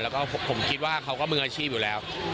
แล้วก็ผมคิดว่าเขาก็มืออาชีพอยู่แล้ว